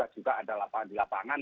juga ada di lapangan